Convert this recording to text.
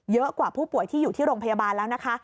กว่าผู้ป่วยที่อยู่ที่โรงพยาบาลแล้วนะคะ